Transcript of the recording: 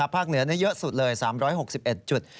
เหนือเยอะสุดเลย๓๖๑จุด